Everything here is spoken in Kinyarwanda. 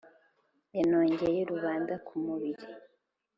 Yanogeye rubanda ku mubiri